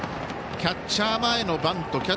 キャッチャー前のバント。